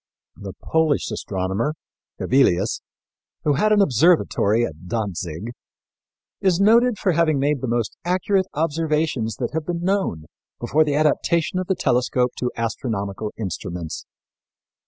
" The Polish astronomer, Hevilius, who had an observatory at Dantzig, is noted for having made the most accurate observations that had been known before the adaptation of the telescope to astronomical instruments.